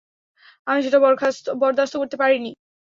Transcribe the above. আমি সেটা বরদাস্ত করতে পারিনি।